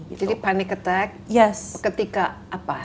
jadi panic attack ketika apa